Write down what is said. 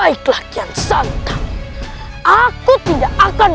hai baiklah kian santai aku tidak akan